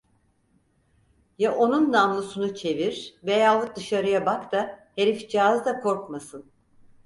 Ya onun namlusunu çevir veyahut dışarıya bak da herifcağız da korkmasın.